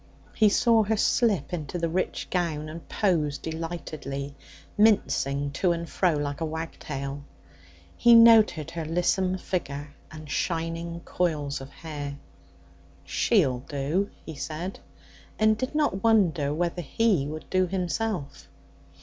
He saw her slip into the rich gown and pose delightedly, mincing to and fro like a wagtail. He noted her lissom figure and shining coils of hair. 'She'll do,' he said, and did not wonder whether he would do himself.